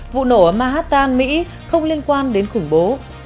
vụ nổ ở manhattan mỹ không liên quan đến khủng bố